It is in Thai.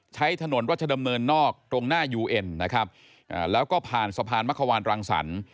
ใช้ถนนรัชดำเนินนอกตรงหน้ายูเอ็นนะครับแล้วก็ผ่านสะพานมะขวานรังสรรค์